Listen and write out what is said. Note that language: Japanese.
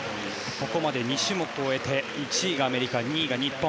ここまで２種目終えて１位がアメリカ２位が日本。